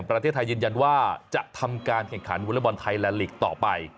ประเทศไทยยืนยันว่าจะทำการแข่งขันวอเล็กบอลไทยแลนดลีกต่อไป